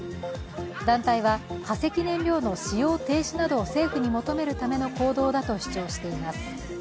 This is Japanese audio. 団体は、化石燃料の使用停止などを政府に求めるための行動だと主張しています。